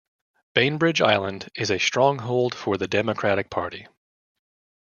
Bainbridge Island is a stronghold for the Democratic Party.